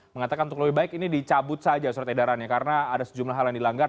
mengatakan untuk lebih baik ini dicabut saja surat edarannya karena ada sejumlah hal yang dilanggar